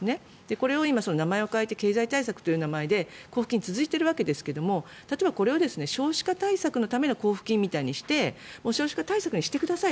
これを今、名前を変えて経済対策という形で続いているわけですが例えばこれを少子化対策のための交付金みたいにして少子化対策にしてください